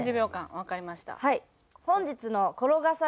わかりました。